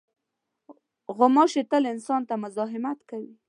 غوماشې تل انسان ته مزاحمت کوي.